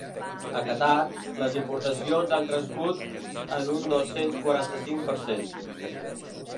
A Qatar, les importacions han crescut en un dos-cents quaranta-cinc per cent.